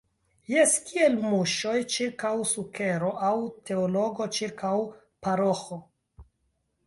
Jes, kiel muŝoj ĉirkaŭ sukero aŭ teologo ĉirkaŭ paroĥo!